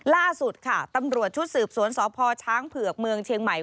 ล่าสุดค่ะตำรวจชุดสืบสวนสพช้างเผือกเมืองเชียงใหม่